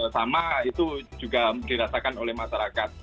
sama itu juga dirasakan oleh masyarakat